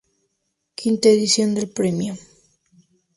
V edición del premio.